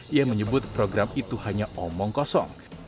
ia menyebut program itu hanya omong kosong